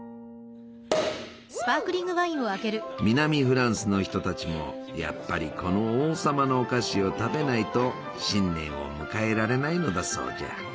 南フランスの人たちもやっぱりこの王様のお菓子を食べないと新年を迎えられないのだそうじゃ。